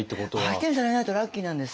相手にされないとラッキーなんですよ。